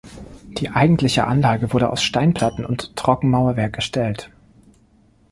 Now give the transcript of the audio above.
Die eigentliche Anlage wurde aus Steinplatten und Trockenmauerwerk erstellt.